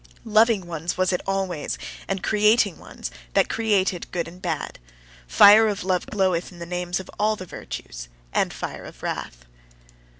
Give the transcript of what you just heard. Loving ones, was it always, and creating ones, that created good and bad. Fire of love gloweth in the names of all the virtues, and fire of wrath.